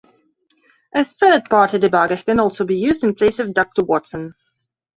A third-party debugger can also be used in place of Doctor Watson.